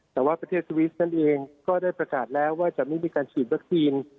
แต่ว่าประเทศสวิสนั่นเองก็ได้ประกาศแล้วว่าจะไม่มีการฉีดวัคซีน